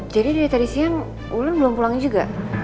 jadi dari tadi siang wulan belum pulang juga